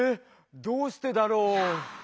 どうしてだろう。